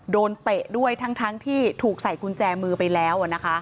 โดนเปะด้วยทั้งที่ถูกใส่กุญแจมือไปแล้ว